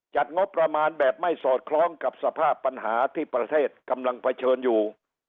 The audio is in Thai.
จัดงบประมาณแบบไม่สอดคล้องกับสภาพปัญหาที่ประเทศกำลังเผชิญอยู่